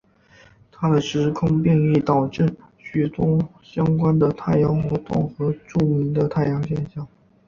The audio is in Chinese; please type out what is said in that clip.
他的时空变异导致许多相关的太阳活动和著名的太阳现象。